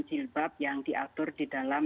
jilbab yang diatur di dalam